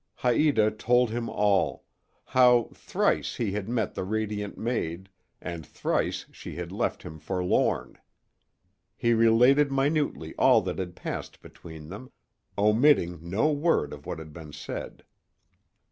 Haïta told him all: how thrice he had met the radiant maid, and thrice she had left him forlorn. He related minutely all that had passed between them, omitting no word of what had been said.